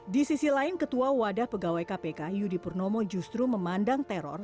di sisi lain ketua wadah pegawai kpk yudi purnomo justru memandang teror